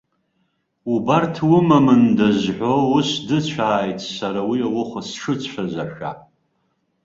Убарҭ умамында зҳәо ус дыцәааит сара уи ауха сшыцәаз ашәа.